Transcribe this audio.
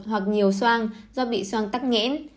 hoặc nhiều soan do bị soan tắt nghẽn